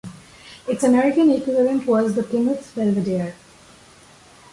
Its American equivalent was the Plymouth Belvedere.